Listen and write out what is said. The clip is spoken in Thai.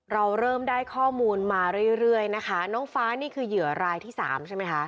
เราเริ่มได้ข้อมูลมาเรื่อยเรื่อยนะคะน้องฟ้านี่คือเหยื่อรายที่สามใช่ไหมคะ